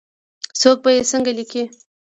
څوک به یې څنګه لیکې ؟